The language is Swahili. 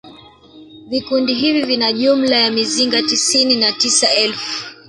Vikundi hivi vina jumla ya mizinga tisini na tisa elfu